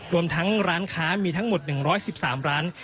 รวมทั้งร้านค้ามีทั้งหมด๑๑๓ร้าน